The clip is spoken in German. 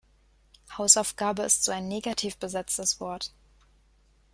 Hausaufgabe ist so ein negativ besetztes Wort.